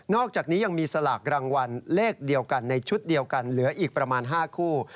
อกจากนี้ยังมีสลากรางวัลเลขเดียวกันในชุดเดียวกันเหลืออีกประมาณ๕คู่